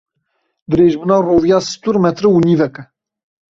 Dirêjbûna roviya stûr metre û nîvek e.